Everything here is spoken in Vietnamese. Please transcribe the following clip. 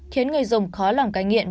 khiến người dùng khó làm gây nghiện